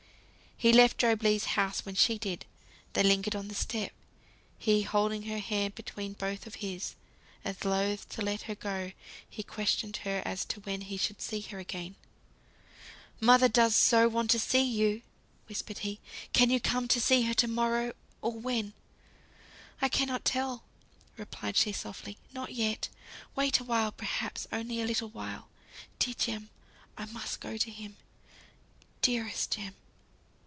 He left Job Legh's house when she did. They lingered on the step, he holding her hand between both of his, as loth to let her go; he questioned her as to when he should see her again. "Mother does so want to see you," whispered he. "Can you come to see her to morrow? or when?" "I cannot tell," replied she, softly. "Not yet. Wait awhile; perhaps only a little while. Dear Jem, I must go to him, dearest Jem."